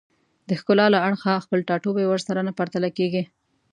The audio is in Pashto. د ښکلا له اړخه خپل ټاټوبی ورسره نه پرتله کېږي